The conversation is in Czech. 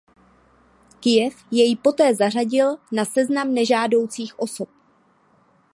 Kyjev jej poté zařadil na seznam nežádoucích osob.